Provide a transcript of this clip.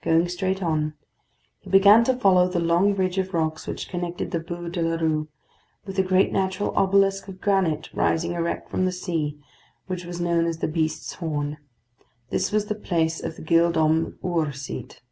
Going straight on, he began to follow the long ridge of rocks which connected the Bû de la Rue with the great natural obelisk of granite rising erect from the sea, which was known as the Beast's Horn. This was the place of the Gild Holm 'Ur seat.